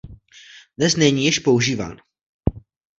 Dnes není již používán.